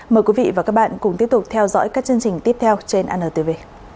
mời quý vị và các bạn cùng tiếp tục theo dõi các chương trình tiếp theo trên antv